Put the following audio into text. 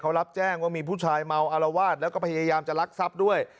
เขารับแจ้งว่ามีผู้ชายเมาอารวาสแล้วก็พยายามจะลักทรัพย์ด้วย